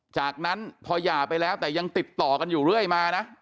จากนั้นพอหย่าไปแล้วแต่ยังติดต่อกันอยู่เรื่อยมานะ